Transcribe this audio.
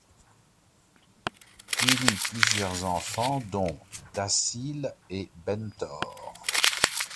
Il eut plusieurs enfants, dont: Dácil et Bentor.